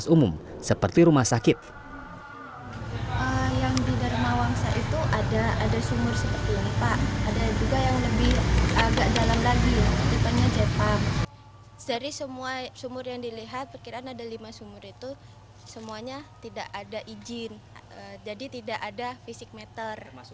kasus seperti ini tidak jarang ditemukan petugas pemeriksa